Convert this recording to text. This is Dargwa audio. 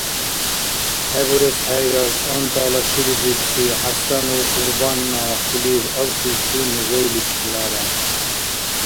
ХӀебурес хӀейрар ТӀантӀала шилизибси ХӀясанов Кьурбанна хъулиб абхьибси музейличилара.